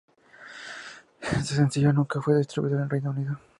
Este sencillo nunca fue distribuido en el Reino Unido.